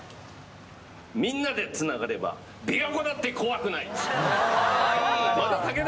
みんなでつながればびわ湖だって怖くない。